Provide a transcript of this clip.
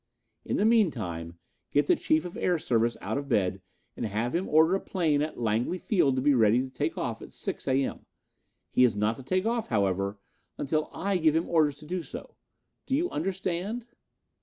In the mean time, get the Chief of Air Service out of bed and have him order a plane at Langley Field to be ready to take off at 6 A. M. He is not to take off, however, until I give him orders to do so. Do you understand?"